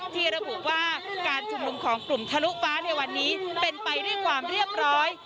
ที่ระบุว่าการชุมนุมของกลุ่มทะลุฟ้าในวันนี้เป็นไปด้วยความเรียบร้อย